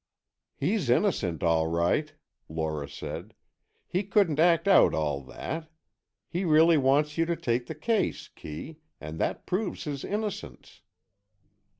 "He's innocent all right," Lora said. "He couldn't act out all that. He really wants you to take the case, Kee, and that proves his innocence."